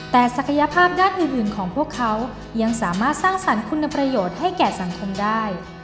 แต่ศักยภาพด้านอื่นของพวกเขายังสามารถสร้างสรรค์คุณประโยชน์ให้แก่สังคมได้